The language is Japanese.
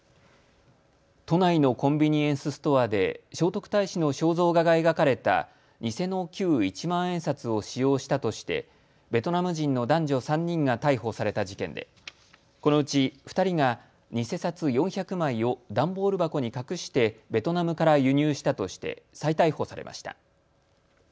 都内のコンビニエンスストアで聖徳太子の肖像画が描かれた偽の旧一万円札を使用したとしてベトナム人の男女３人が逮捕された事件でこのうち２人が偽札４００枚を段ボール箱に隠してベトナムから輸入したとして再逮捕されました。